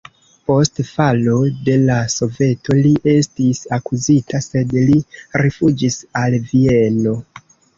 Post falo de la Soveto li estis akuzita, sed li rifuĝis al Vieno.